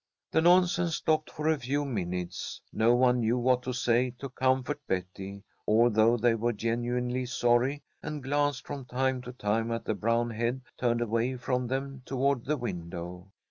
The nonsense stopped for a few minutes. No one knew what to say to comfort Betty, although they were genuinely sorry, and glanced from time to time at the brown head turned away from them toward the window.